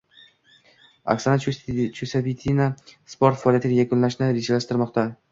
Oksana Chusovitina sport faoliyatini yakunlashni rejalashtirmoqda